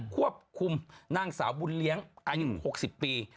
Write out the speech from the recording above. ควบคุมนางสาวบุญเลี้ยงอายุ๖๐ปี